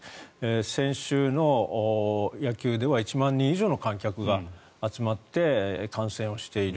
先週の野球では１万人の観客が集まって観戦をしている。